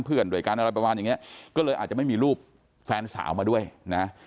เพื่อนด้วยกันอะไรประมาณอย่างเงี้ยก็เลยอาจจะไม่มีรูปแฟนสาวมาด้วยนะ